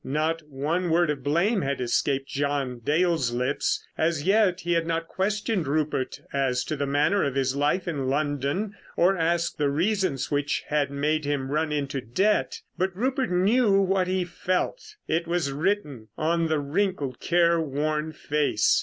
Not one word of blame had escaped John Dale's lips. As yet he had not questioned Rupert as to the manner of his life in London or asked the reasons which had made him run into debt. But Rupert knew what he felt. It was written on the wrinkled, care worn face.